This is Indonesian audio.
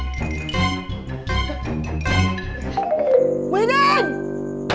gila yang parah parah di depan b